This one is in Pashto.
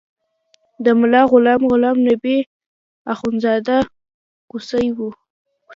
د ملا غلام غلام نبي اخندزاده کوسی و.